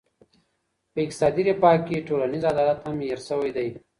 په اقتصادي رفاه کي ټولنیز عدالت هم هېر سوی دی.